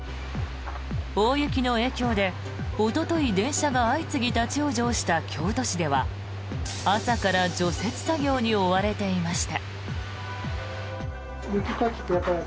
大雪の影響でおととい電車が相次ぎ立ち往生した京都市では朝から除雪作業に追われていました。